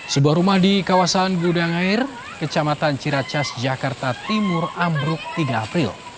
sebuah rumah di kawasan gudang air kecamatan ciracas jakarta timur ambruk tiga april